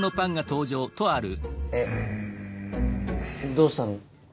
どうしたの？